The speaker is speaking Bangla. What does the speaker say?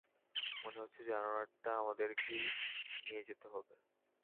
মনে হচ্ছে জানোয়ারটা আমাদেরকেই নিয়ে যেতে হবে।